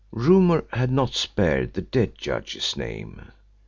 Rumour had not spared the dead judge's name.